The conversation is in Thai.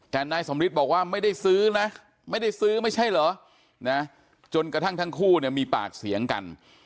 แต่นายสมฤทธิ์บอกว่าไม่ได้ซื้อนะไม่ได้ซื้อไม่ใช่เหรอนะจนกระทั่งทั้งคู่เนี่ยมีปากเสียงกัน